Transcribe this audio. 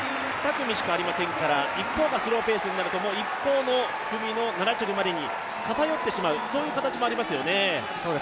２組しかありませんから、一方がスローペースになるともう一方の組の７着までに偏ってしまう形もありますよね。